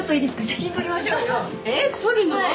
写真撮りましょうよえっ？撮るの？